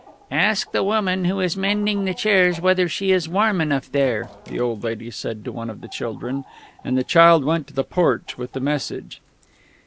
"Ask the woman who is mending the chairs whether she is warm enough there," the old lady said to one of the children; and the child went to the porch with the message.